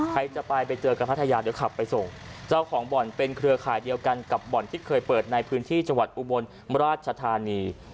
ใครจะไปไปเจอกับพัทยาเดี๋ยวขับไปส่งเจ้าของบ่อนเป็นเครือข่ายเดียวกันกับบ่อนที่เคยเปิดในพื้นที่จังหวัดอุบลราชธานี